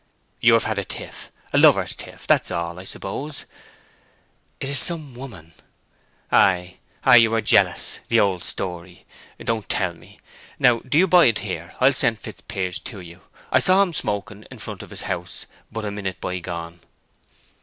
"You've had a tiff—a lovers' tiff—that's all, I suppose!" "It is some woman—" "Ay, ay; you are jealous. The old story. Don't tell me. Now do you bide here. I'll send Fitzpiers to you. I saw him smoking in front of his house but a minute by gone."